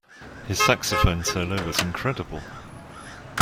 His saxophone solo was incredible.